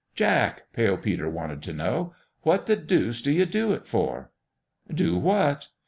"Jack," Pale Peter wanted to know, "what the deuce do you do it for ?" "Do what?"